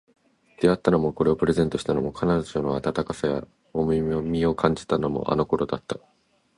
出会ったのも、これをプレゼントしたのも、彼女の温かさや重みを感じたのも、あの頃だった